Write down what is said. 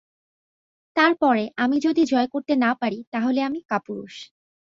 তার পরে আমি যদি জয় করতে না পারি তা হলে আমি কাপুরুষ।